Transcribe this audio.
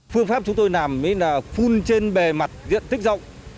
phương pháp chúng tôi làm phun trên bề mặt diện tích rộng